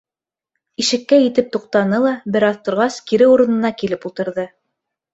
Ишеккә етеп туҡтаны ла, бер аҙ торғас, кире урынына килеп ултырҙы.